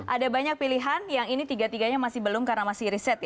ada banyak pilihan yang ini tiga tiga nya masih belum karena masih reset ya